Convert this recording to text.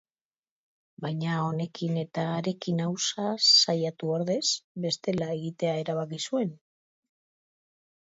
Baina honekin eta harekin ausaz saiatu ordez, bestela egitea erabaki zuen.